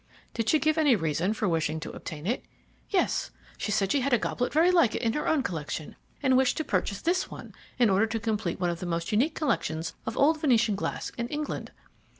"Did she give any reason for wishing to obtain it?" "Yes, she said she had a goblet very like it in her own collection, and wished to purchase this one in order to complete one of the most unique collections of old Venetian glass in England.